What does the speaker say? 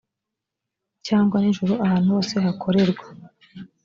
cyangwa nijoro ahantu hose hakorerwa